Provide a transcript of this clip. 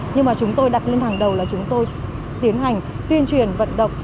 nhưng mà chúng tôi đặt lên hàng đầu là chúng tôi tiến hành tuyên truyền vận động